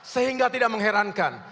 sehingga tidak mengherankan